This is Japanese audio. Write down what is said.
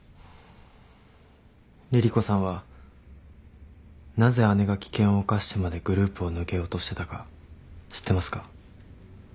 凛々子さんはなぜ姉が危険を冒してまでグループを抜けようとしてたか知ってますか？